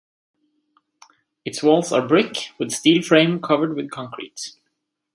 Its walls are brick with steel frame covered with concrete.